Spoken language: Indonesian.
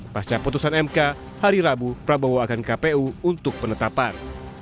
pasca putusan mk hari rabu prabowo akan ke kpu untuk penetapan